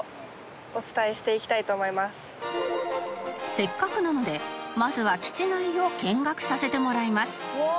せっかくなのでまずは基地内を見学させてもらいます